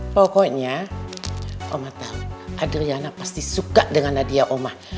pokoknya oma tau adriana pasti suka dengan adiah oma